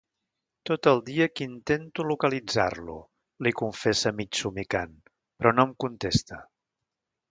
Tot el dia que intento localitzar-lo —li confessa mig somicant—, però no em contesta.